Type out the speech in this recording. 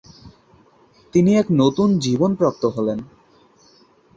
তিনি এক নতুন জীবন প্রাপ্ত হলেন।